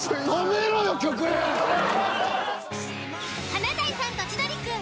［『華大さんと千鳥くん』］